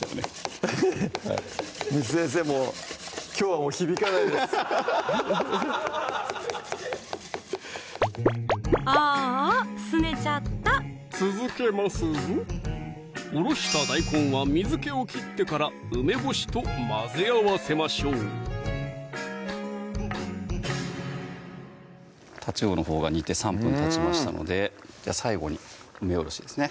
フフフッ簾先生もうきょうは響かないですああすねちゃった続けますぞおろした大根は水気を切ってから梅干しと混ぜ合わせましょうたちうおのほうが煮て３分たちましたので最後に梅おろしですね